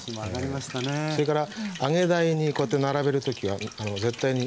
それから揚げ台にこうやって並べる時は絶対に重ねない。